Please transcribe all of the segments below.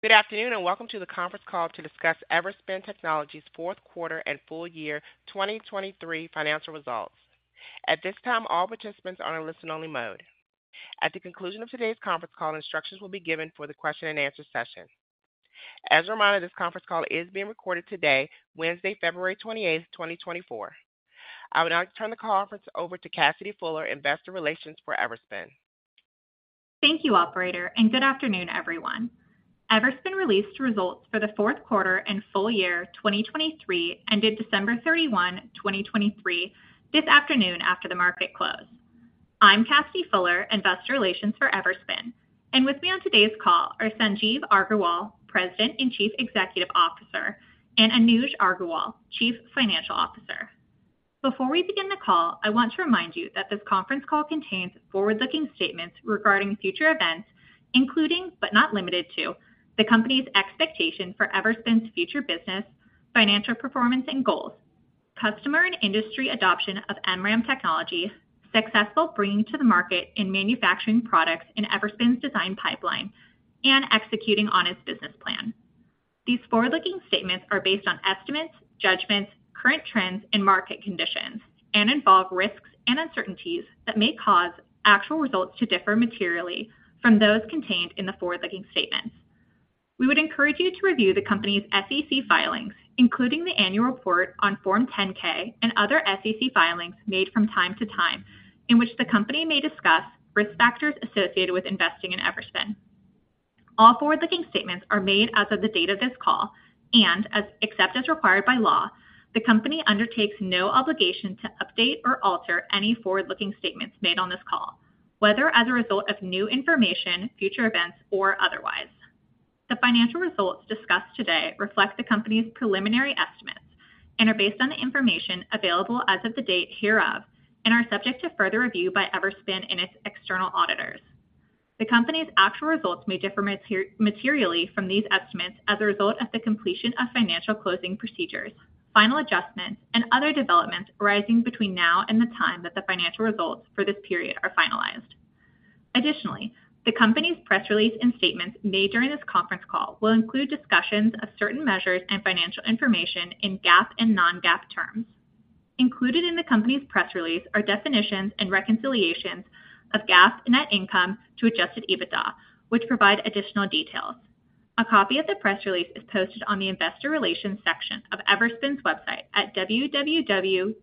Good afternoon, and welcome to the conference call to discuss Everspin Technologies' fourth quarter and full year 2023 financial results. At this time, all participants are in a listen-only mode. At the conclusion of today's conference call, instructions will be given for the question and answer session. As a reminder, this conference call is being recorded today, Wednesday, February twenty-eighth, 2024. I would now like to turn the conference over to Cassidy Fuller, Investor Relations for Everspin. Thank you, operator, and good afternoon, everyone. Everspin released results for the fourth quarter and full year 2023, ended December 31, 2023, this afternoon after the market closed. I'm Cassidy Fuller, Investor Relations for Everspin, and with me on today's call are Sanjeev Aggarwal, President and Chief Executive Officer, and Anuj Aggarwal, Chief Financial Officer. Before we begin the call, I want to remind you that this conference call contains forward-looking statements regarding future events, including but not limited to, the company's expectation for Everspin's future business, financial performance and goals, customer and industry adoption of MRAM technology, successful bringing to the market and manufacturing products in Everspin's design pipeline, and executing on its business plan. These forward-looking statements are based on estimates, judgments, current trends, and market conditions, and involve risks and uncertainties that may cause actual results to differ materially from those contained in the forward-looking statements. We would encourage you to review the company's SEC filings, including the annual report on Form 10-K and other SEC filings made from time to time, in which the company may discuss risk factors associated with investing in Everspin. All forward-looking statements are made as of the date of this call, and except as required by law, the company undertakes no obligation to update or alter any forward-looking statements made on this call, whether as a result of new information, future events, or otherwise. The financial results discussed today reflect the company's preliminary estimates and are based on the information available as of the date hereof and are subject to further review by Everspin and its external auditors. The company's actual results may differ materially from these estimates as a result of the completion of financial closing procedures, final adjustments, and other developments arising between now and the time that the financial results for this period are finalized. Additionally, the company's press release and statements made during this conference call will include discussions of certain measures and financial information in GAAP and non-GAAP terms. Included in the company's press release are definitions and reconciliations of GAAP net income to Adjusted EBITDA, which provide additional details. A copy of the press release is posted on the investor relations section of Everspin's website at www.everspin.com.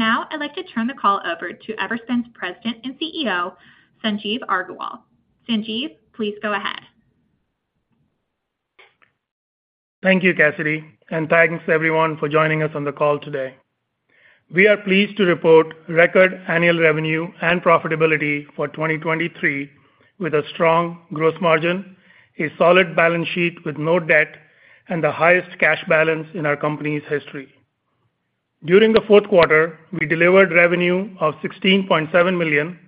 Now I'd like to turn the call over to Everspin's President and CEO, Sanjeev Aggarwal. Sanjeev, please go ahead. Thank you, Cassidy, and thanks, everyone, for joining us on the call today. We are pleased to report record annual revenue and profitability for 2023, with a strong gross margin, a solid balance sheet with no debt, and the highest cash balance in our company's history. During the fourth quarter, we delivered revenue of $16.7 million,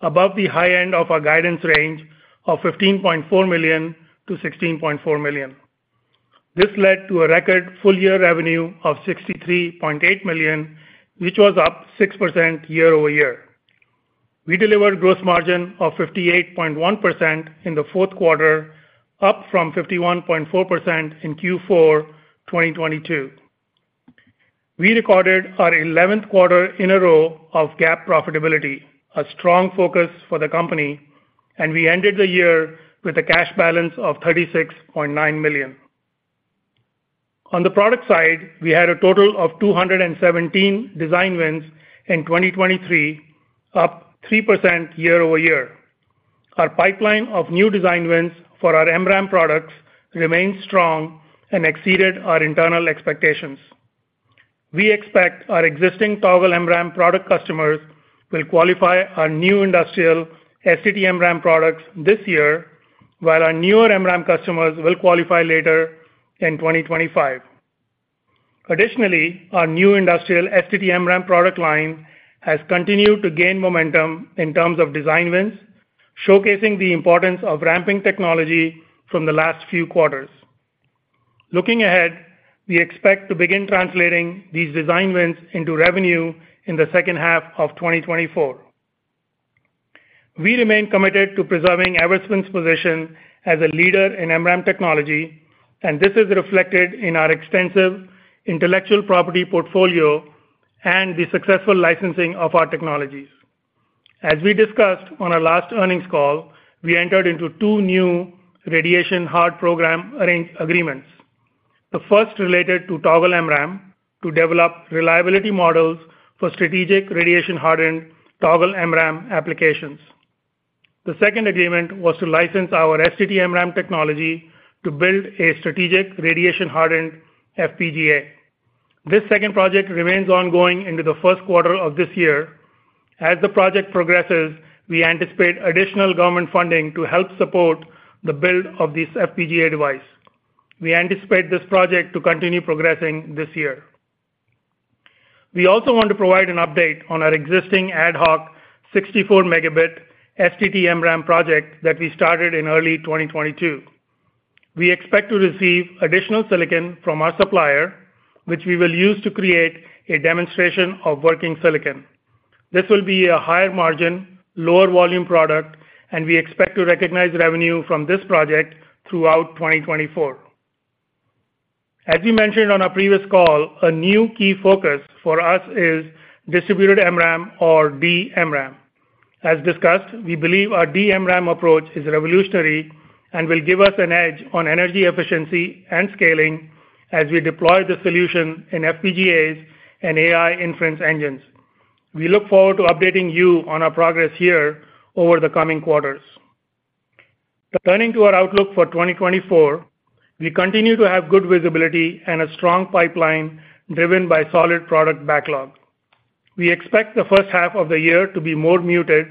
above the high end of our guidance range of $15.4 million-$16.4 million. This led to a record full year revenue of $63.8 million, which was up 6% year over year. We delivered gross margin of 58.1% in the fourth quarter, up from 51.4% in Q4 2022. We recorded our 11th quarter in a row of GAAP profitability, a strong focus for the company, and we ended the year with a cash balance of $36.9 million. On the product side, we had a total of 217 design wins in 2023, up 3% year over year. Our pipeline of new design wins for our MRAM products remains strong and exceeded our internal expectations. We expect our existing Toggle MRAM product customers will qualify our new industrial STT-MRAM products this year, while our newer MRAM customers will qualify later in 2025. Additionally, our new industrial STT-MRAM product line has continued to gain momentum in terms of design wins, showcasing the importance of ramping technology from the last few quarters. Looking ahead, we expect to begin translating these design wins into revenue in the second half of 2024. We remain committed to preserving Everspin's position as a leader in MRAM technology, and this is reflected in our extensive intellectual property portfolio and the successful licensing of our technologies. As we discussed on our last earnings call, we entered into 2 new radiation-hard program arrangement agreements. The first related to Toggle MRAM to develop reliability models for strategic radiation-hardened Toggle MRAM applications. The second agreement was to license our STT-MRAM technology to build a strategic radiation-hardened FPGA. This second project remains ongoing into the first quarter of this year. As the project progresses, we anticipate additional government funding to help support the build of this FPGA device. We anticipate this project to continue progressing this year. We also want to provide an update on our existing ad hoc 64Mb STT-MRAM project that we started in early 2022. We expect to receive additional silicon from our supplier, which we will use to create a demonstration of working silicon. This will be a higher margin, lower volume product, and we expect to recognize revenue from this project throughout 2024. As we mentioned on our previous call, a new key focus for us is distributed MRAM or DMRAM. As discussed, we believe our DMRAM approach is revolutionary and will give us an edge on energy efficiency and scaling as we deploy the solution in FPGAs and AI inference engines. We look forward to updating you on our progress here over the coming quarters. Turning to our outlook for 2024, we continue to have good visibility and a strong pipeline, driven by solid product backlog. We expect the first half of the year to be more muted,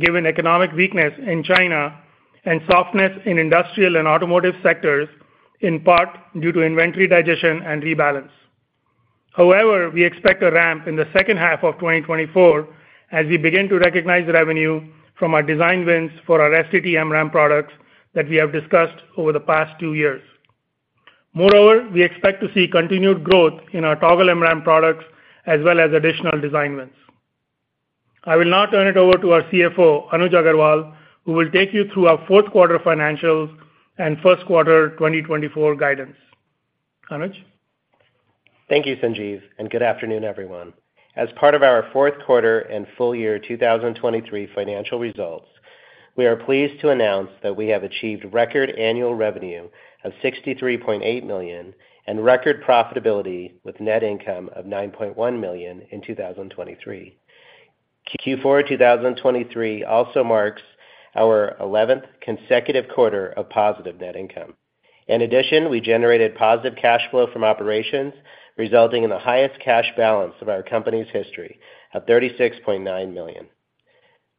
given economic weakness in China and softness in industrial and automotive sectors, in part due to inventory digestion and rebalance. However, we expect a ramp in the second half of 2024 as we begin to recognize revenue from our design wins for our STT-MRAM products that we have discussed over the past 2 years. Moreover, we expect to see continued growth in our Toggle MRAM products as well as additional design wins. I will now turn it over to our CFO, Anuj Aggarwal, who will take you through our fourth quarter financials and first quarter 2024 guidance. Anuj? Thank you, Sanjeev, and good afternoon, everyone. As part of our fourth quarter and full year 2023 financial results, we are pleased to announce that we have achieved record annual revenue of $63.8 million and record profitability with net income of $9.1 million in 2023. Q4 2023 also marks our 11th consecutive quarter of positive net income. In addition, we generated positive cash flow from operations, resulting in the highest cash balance of our company's history of $36.9 million.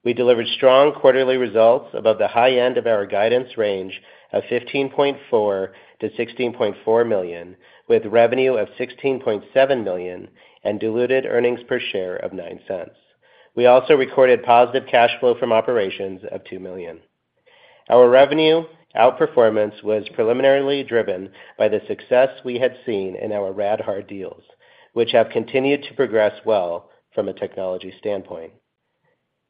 We delivered strong quarterly results above the high end of our guidance range of $15.4 million-$16.4 million, with revenue of $16.7 million and diluted earnings per share of $0.09. We also recorded positive cash flow from operations of $2 million. Our revenue outperformance was preliminarily driven by the success we had seen in our RadHard deals, which have continued to progress well from a technology standpoint.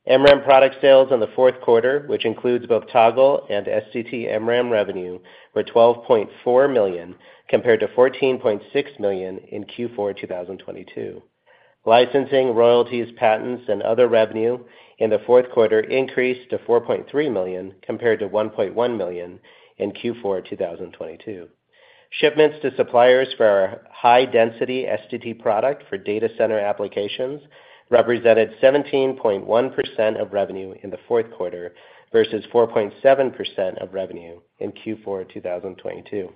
MRAM product sales in the fourth quarter, which includes both Toggle and STT-MRAM revenue, were $12.4 million, compared to $14.6 million in Q4 2022. Licensing, royalties, patents, and other revenue in the fourth quarter increased to $4.3 million, compared to $1.1 million in Q4 2022. Shipments to suppliers for our high-density STT product for data center applications represented 17.1% of revenue in the fourth quarter versus 4.7% of revenue in Q4 2022.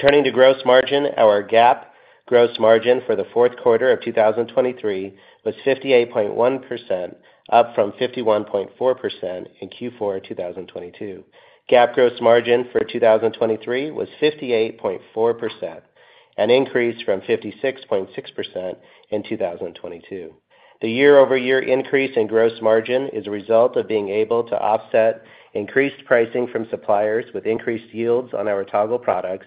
Turning to gross margin, our GAAP gross margin for the fourth quarter of 2023 was 58.1%, up from 51.4% in Q4 2022. GAAP gross margin for 2023 was 58.4%, an increase from 56.6% in 2022. The year-over-year increase in gross margin is a result of being able to offset increased pricing from suppliers with increased yields on our Toggle products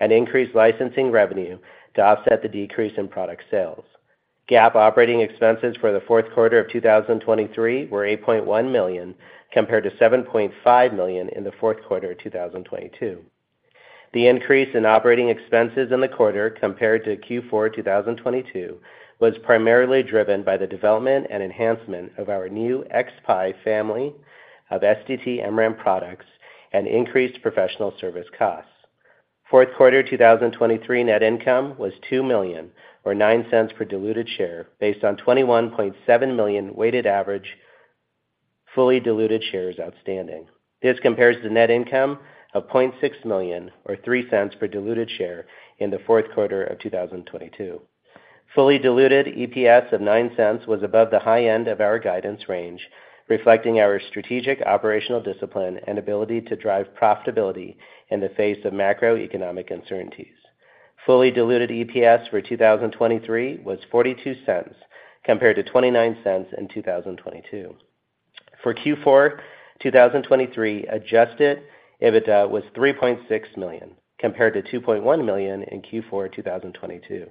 and increased licensing revenue to offset the decrease in product sales. GAAP operating expenses for the fourth quarter of 2023 were $8.1 million, compared to $7.5 million in the fourth quarter of 2022. The increase in operating expenses in the quarter compared to Q4 2022 was primarily driven by the development and enhancement of our new xSPI family of STT-MRAM products and increased professional service costs. Fourth quarter 2023 net income was $2 million, or $0.09 per diluted share, based on 21.7 million weighted average, fully diluted shares outstanding. This compares to net income of $0.6 million, or $0.03 per diluted share in the fourth quarter of 2022. Fully diluted EPS of $0.09 was above the high end of our guidance range, reflecting our strategic operational discipline and ability to drive profitability in the face of macroeconomic uncertainties. Fully diluted EPS for 2023 was $0.42, compared to $0.29 in 2022. For Q4 2023, adjusted EBITDA was $3.6 million, compared to $2.1 million in Q4 2022.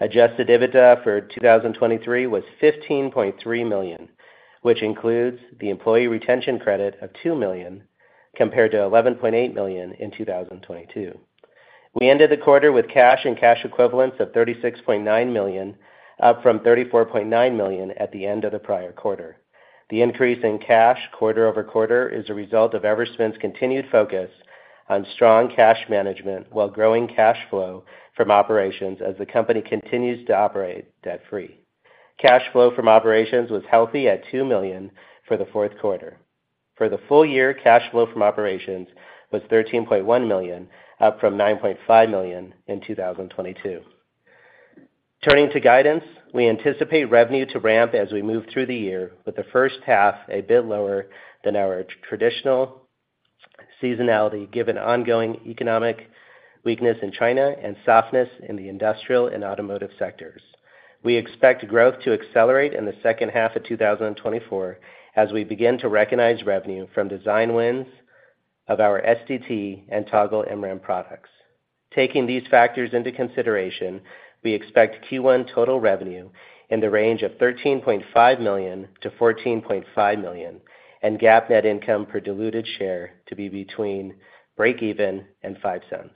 Adjusted EBITDA for 2023 was $15.3 million, which includes the employee retention credit of $2 million, compared to $11.8 million in 2022. We ended the quarter with cash and cash equivalents of $36.9 million, up from $34.9 million at the end of the prior quarter. The increase in cash quarter-over-quarter is a result of Everspin's continued focus on strong cash management, while growing cash flow from operations as the company continues to operate debt-free. Cash flow from operations was healthy at $2 million for the fourth quarter. For the full year, cash flow from operations was $13.1 million, up from $9.5 million in 2022. Turning to guidance, we anticipate revenue to ramp as we move through the year, with the first half a bit lower than our traditional seasonality, given ongoing economic weakness in China and softness in the industrial and automotive sectors.... We expect growth to accelerate in the second half of 2024 as we begin to recognize revenue from design wins of our STT and Toggle MRAM products. Taking these factors into consideration, we expect Q1 total revenue in the range of $13.5 million-$14.5 million, and GAAP net income per diluted share to be between breakeven and $0.05.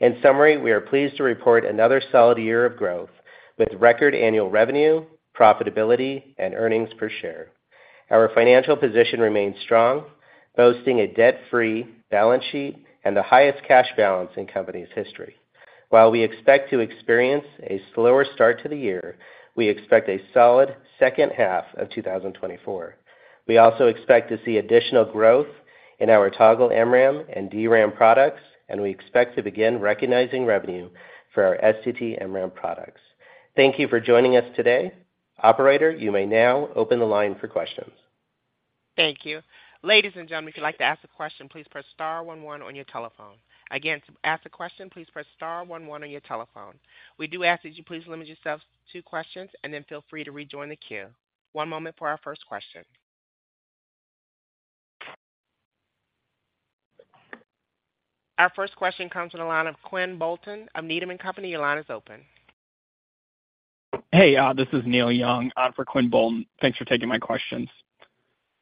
In summary, we are pleased to report another solid year of growth with record annual revenue, profitability, and earnings per share. Our financial position remains strong, boasting a debt-free balance sheet and the highest cash balance in company's history. While we expect to experience a slower start to the year, we expect a solid second half of 2024. We also expect to see additional growth in our Toggle MRAM and DRAM products, and we expect to begin recognizing revenue for our STT MRAM products. Thank you for joining us today. Operator, you may now open the line for questions. Thank you. Ladies and gentlemen, if you'd like to ask a question, please press star one one on your telephone. Again, to ask a question, please press star one one on your telephone. We do ask that you please limit yourself to two questions, and then feel free to rejoin the queue. One moment for our first question. Our first question comes from the line of Quinn Bolton of Needham and Company. Your line is open. Hey, this is Neil Young for Quinn Bolton. Thanks for taking my questions.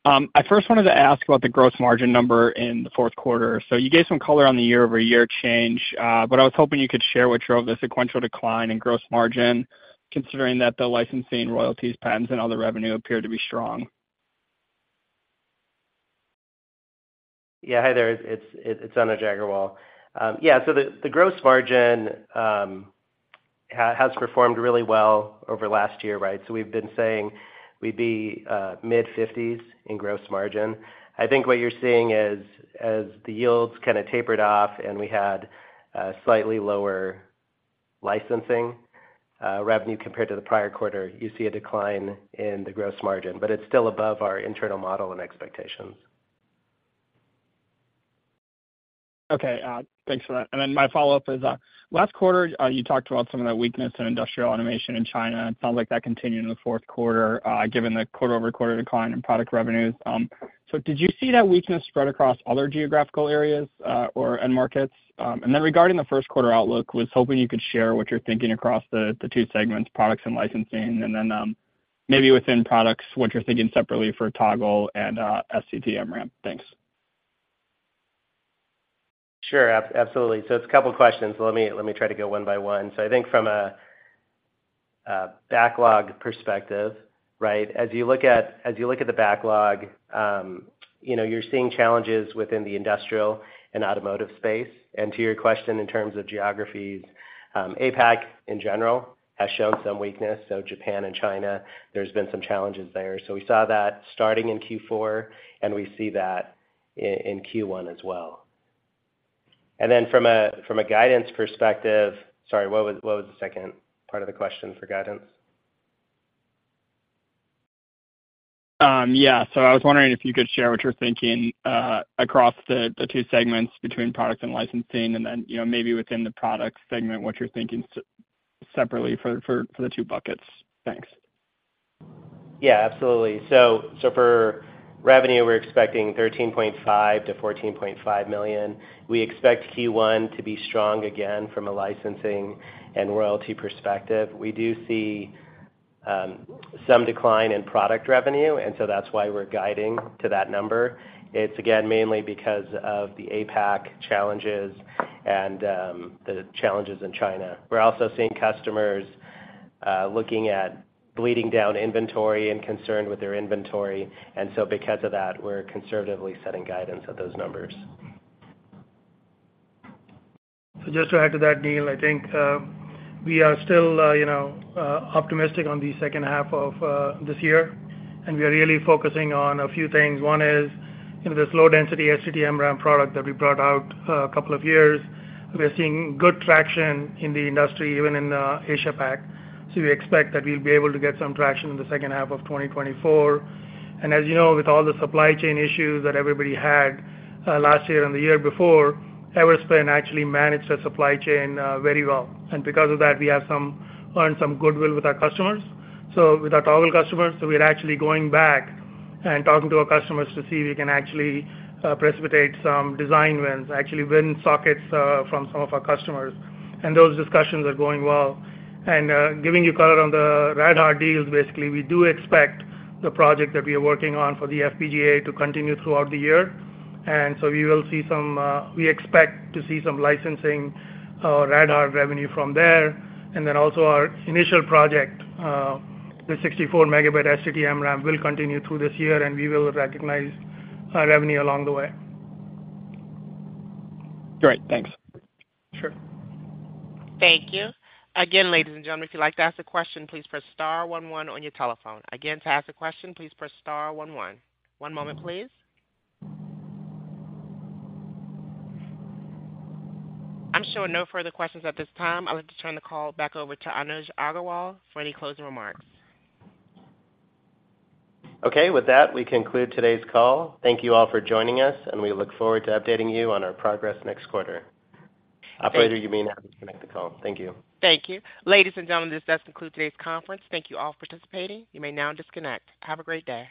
I first wanted to ask about the gross margin number in the fourth quarter. So you gave some color on the year-over-year change, but I was hoping you could share what drove the sequential decline in gross margin, considering that the licensing, royalties, patents, and other revenue appeared to be strong. Yeah, hi there. It's Anuj Aggarwal. Yeah, so the gross margin has performed really well over last year, right? So we've been saying we'd be mid-fifties in gross margin. I think what you're seeing is, as the yields kind of tapered off, and we had slightly lower licensing revenue compared to the prior quarter, you see a decline in the gross margin, but it's still above our internal model and expectations. Okay, thanks for that. And then my follow-up is, last quarter, you talked about some of the weakness in industrial automation in China. It sounds like that continued in the fourth quarter, given the quarter-over-quarter decline in product revenues. So did you see that weakness spread across other geographical areas, or end markets? And then regarding the first quarter outlook, was hoping you could share what you're thinking across the two segments, products and licensing, and then, maybe within products, what you're thinking separately for Toggle and STT MRAM. Thanks. Sure, absolutely. So it's a couple questions. Let me, let me try to go one by one. So I think from a backlog perspective, right? As you look at, as you look at the backlog, you know, you're seeing challenges within the industrial and automotive space. And to your question, in terms of geographies, APAC in general has shown some weakness. So Japan and China, there's been some challenges there. So we saw that starting in Q4, and we see that in Q1 as well. And then from a guidance perspective... Sorry, what was the second part of the question for guidance? Yeah. So I was wondering if you could share what you're thinking across the two segments between products and licensing, and then, you know, maybe within the products segment, what you're thinking separately for the two buckets. Thanks. Yeah, absolutely. So for revenue, we're expecting $13.5 million-$14.5 million. We expect Q1 to be strong again from a licensing and royalty perspective. We do see some decline in product revenue, and so that's why we're guiding to that number. It's again, mainly because of the APAC challenges and the challenges in China. We're also seeing customers looking at bleeding down inventory and concerned with their inventory, and so because of that, we're conservatively setting guidance at those numbers. So just to add to that, Neil, I think, we are still, you know, optimistic on the second half of this year, and we are really focusing on a few things. One is, you know, this low-density STT MRAM product that we brought out a couple of years. We're seeing good traction in the industry, even in Asia Pac. So we expect that we'll be able to get some traction in the second half of 2024. And as you know, with all the supply chain issues that everybody had, last year and the year before, Everspin actually managed the supply chain very well. And because of that, we earned some goodwill with our customers, so with our Toggle customers. So we are actually going back and talking to our customers to see if we can actually precipitate some design wins, actually win sockets from some of our customers. And giving you color on the radar deals, basically, we do expect the project that we are working on for the FPGA to continue throughout the year, and so we will see some, we expect to see some licensing radar revenue from there. And then also our initial project, the 64-megabyte STT-MRAM, will continue through this year, and we will recognize revenue along the way. Great. Thanks. Sure. Thank you. Again, ladies and gentlemen, if you'd like to ask a question, please press star one one on your telephone. Again, to ask a question, please press star one one. One moment, please. I'm showing no further questions at this time. I would like to turn the call back over to Anuj Aggarwal for any closing remarks. Okay. With that, we conclude today's call. Thank you all for joining us, and we look forward to updating you on our progress next quarter. Thank- Operator, you may now disconnect the call. Thank you. Thank you. Ladies and gentlemen, this does conclude today's conference. Thank you all for participating. You may now disconnect. Have a great day.